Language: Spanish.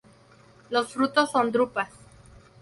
Los frutos son drupas.